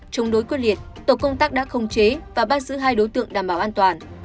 chống đối quyết liệt tổ công tác đã không chế và bắt giữ hai đối tượng đảm bảo an toàn